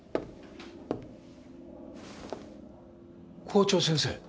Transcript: ・校長先生。